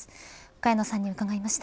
萱野さんに伺いました。